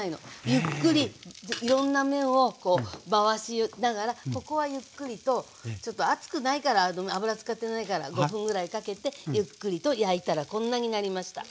ゆっくりいろんな面をこう回しながらここはゆっくりとちょっと熱くないから油使ってないから５分ぐらいかけてゆっくりと焼いたらこんなになりました。